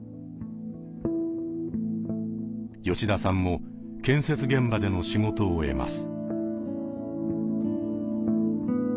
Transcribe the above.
吉田さんも建設現場での仕事を得ます。